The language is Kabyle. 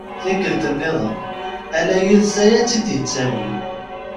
Tikkelt-nniḍen ala yid-s i ad tt-id-yettawi.